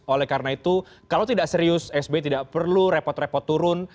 oleh karena itu kalau tidak serius sby tidak perlu repot repot turun